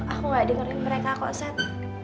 aku nggak dengerin mereka kok sat